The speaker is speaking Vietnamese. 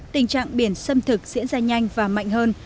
tình trạng biển xâm thực diễn ra nhanh và mạnh hơn